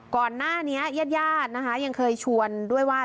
ก่อนหน้านี้ญาตรยัดยังเคยชวนด้วยว่า